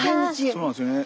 そうなんですよね。